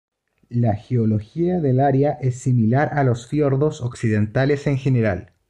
La geología del área es similar a los fiordos occidentales en general.